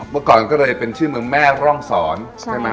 เมื่อก่อนก็เลยเป็นชื่อเมืองแม่ร่องศรใช่ไหม